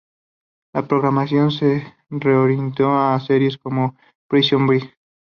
La programación se reorientó a series como "Prison Break".